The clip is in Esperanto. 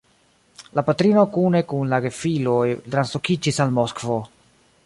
La patrino kune kun la gefiloj translokiĝis al Moskvo.